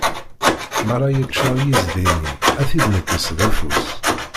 Mi ara yeččar yiẓdi-nni, ad t-id-nekkes d afus.